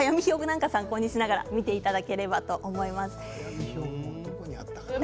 海王星などを参考にしながら見ていただければと思います。